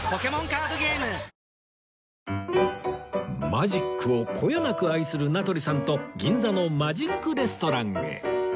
マジックをこよなく愛する名取さんと銀座のマジックレストランへ